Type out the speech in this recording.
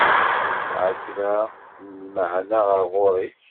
Yesεa kra n lmeεna ɣer ɣur-k?